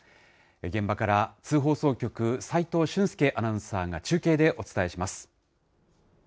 現場から津放送局、齋藤舜介アナウンサーが中継でお伝えします。